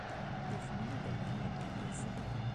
• دښمني د مهربانۍ ضد ده.